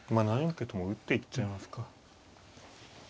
桂ともう打っていっちゃいますか。